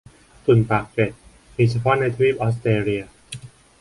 ตุ่นปากเป็ด มีเฉพาะในทวีปออสเตรเลีย